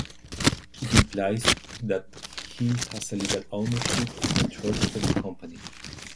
It implies that he has legal ownership and control over the company.